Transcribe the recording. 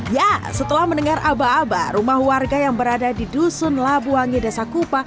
ya setelah mendengar aba aba rumah warga yang berada di dusun labuangi desa kupa